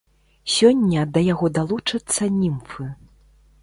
Сёння да яго далучацца німфы.